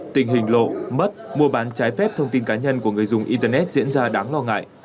tình hình lộ mất mua bán trái phép thông tin cá nhân của người dùng internet diễn ra đáng lo ngại